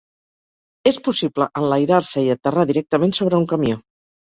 És possible enlairar-se i aterrar directament sobre un camió.